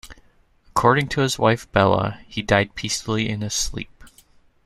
According to his wife, Bella, he died peacefully in his sleep.